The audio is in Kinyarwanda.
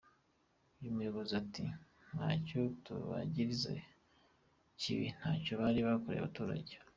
Uyu muyobozi ati: “Ntacyo tubagiriza kibi ntacyo bari bakorera abaturage.”